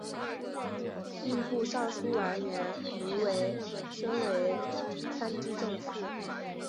吏部尚书完颜奴申为参知政事。